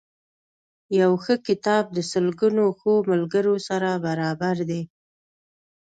یو ښه کتاب د سلګونو ښو ملګرو سره برابر دی.